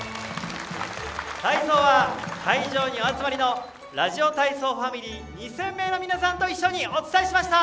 体操は会場にお集まりのラジオ体操ファミリー２０００名の皆さんと一緒にお伝えしました。